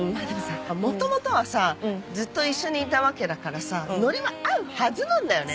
元々はさずっと一緒にいたわけだからさノリは合うはずなんだよね。